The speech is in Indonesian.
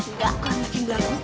nggak bukan makin belagu